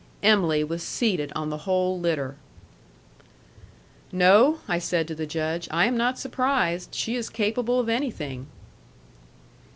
Em'ly was seated on the whole litter. "No," I said to the Judge, "I am not surprised. She is capable of anything."